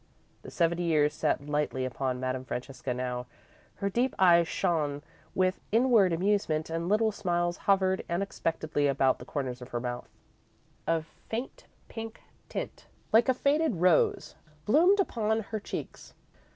The seventy years sat lightly upon Madame Francesca now. Her deep eyes shone with inward amusement, and little smiles hovered unexpectedly about the corners of her mouth. A faint pink tint, like a faded rose, bloomed upon her cheeks.